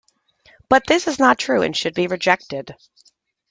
But this is not true and should be rejected.